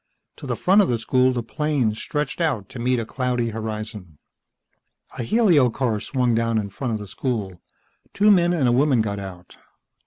To the front of the school the plains stretched out to meet a cloudy horizon. A helio car swung down in front of the school. Two men and a woman got out.